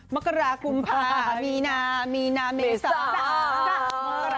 มกรคุมภาพที่นามีนาเมตทรา